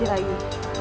terima kasih rayu